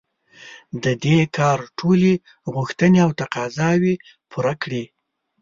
د دې کار ټولې غوښتنې او تقاضاوې پوره کړي.